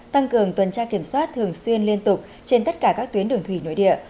tăng cường tuần tra kiểm soát thường xuyên liên tục trên tất cả các tuyến đường thủy nội địa